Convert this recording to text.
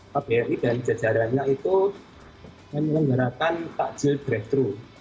kbri dan jajarannya itu menggunakan takjil breakthrough